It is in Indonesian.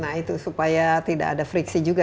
nah itu supaya tidak ada friksi juga